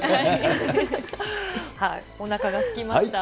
おなかがすきました。